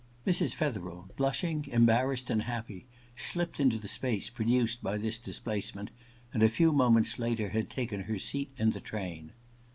Mrs. Fetherel, blushing, embarrassed and happy, slipped into the space produced by this io8 EXPIATION rr displacement, and a few moments later had taken her seat in the train.